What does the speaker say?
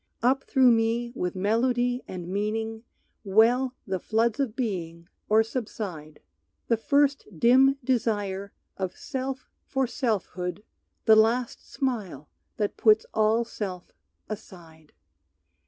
"Up through me, with melody and meaning, Well the floods of being or subside, The first dim desire of self for selfhood, The last smile that puts all self aside.